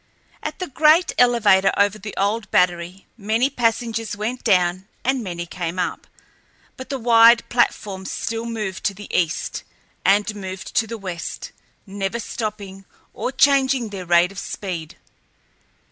At the great elevator over the old Battery many passengers went down and many came up, but the wide platforms still moved to the east and moved to the west, never stopping or changing their rate of speed.